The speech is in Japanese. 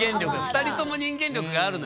２人とも人間力があるのよ。